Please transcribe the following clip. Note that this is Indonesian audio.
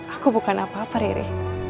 aku bukan apa apa riri